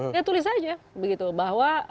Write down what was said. ya tulis aja begitu bahwa